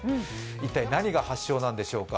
一体何が発祥なんでしょうか？